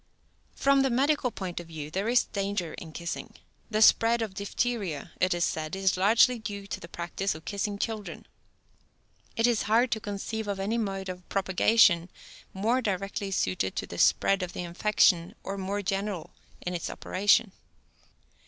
From the medical point of view there is danger in kissing. The spread of diphtheria, it is said, is largely due to the practice of kissing children. It is hard to conceive of any mode of propagation more directly suited to the spread of the infection or more general in its operation.